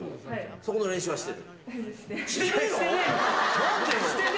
そこの練習はしてる？